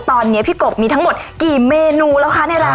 ตอนนี้พี่กบมีทั้งหมดกี่เมนูแล้วคะในร้าน